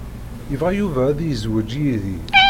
Yebɣa Yuba ad yezweǧ yid-i.